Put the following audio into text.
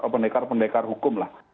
pendekar pendekar hukum lah